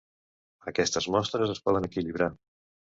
Aquestes mostres es poden equilibrar.